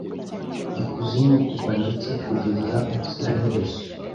ikuzimu kugwa ndetse kugeza ubuziraherezo